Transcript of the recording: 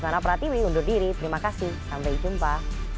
sarah pratiwi undur diri terima kasih sampai jumpa